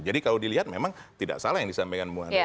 jadi kalau dilihat memang tidak salah yang disampaikan bu andrea